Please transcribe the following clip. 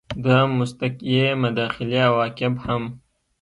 د مستقیې مداخلې عواقب هم